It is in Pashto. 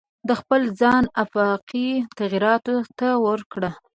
دا خپل ځای آفاقي تغییراتو ته ورکړ.